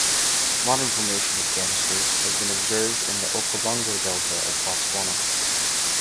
Modern formation of ganisters has been observed in the Okavango Delta of Botswana.